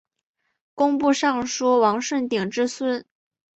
工部尚书王舜鼎之孙。